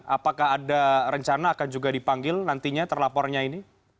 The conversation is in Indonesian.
apakah ada rencana akan juga dipanggil nantinya terlapornya ini